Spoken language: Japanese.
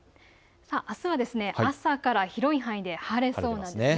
あすは朝から広い範囲で晴れそうです。